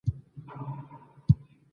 افغانان ډېر میلمه پال خلک دي.